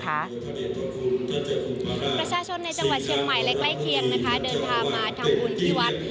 ประชาชนในจังหวัดเชียงใหม่และใกล้เคียงนะคะเดินทางมาทำบุญที่วัด